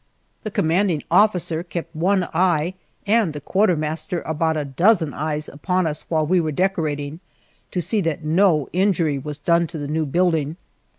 The commanding officer kept one eye, and the quartermaster about a dozen eyes upon us while we were decorating, to see that no injury was done to the new building.